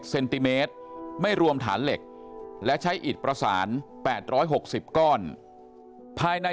เซนติเมตรไม่รวมฐานเหล็กและใช้อิดประสาน๘๖๐ก้อนภายใน